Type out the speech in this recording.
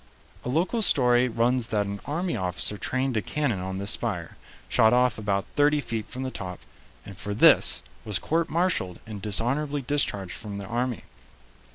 A local story runs that an army officer trained a cannon on this spire, shot off about thirty feet from the top, and for this was court martialed and dishonorably discharged from the army.